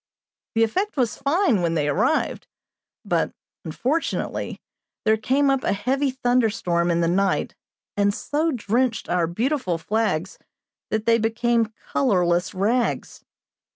The effect was fine when they arrived; but, unfortunately, there came up a heavy thunderstorm in the night and so drenched our beautiful flags that they became colorless rags.